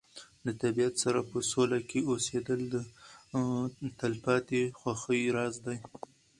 د طبیعت سره په سوله کې اوسېدل د تلپاتې خوښۍ راز دی.